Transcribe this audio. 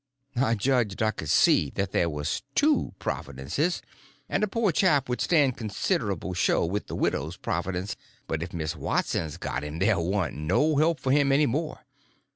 I judged I could see that there was two Providences, and a poor chap would stand considerable show with the widow's Providence, but if Miss Watson's got him there warn't no help for him any more.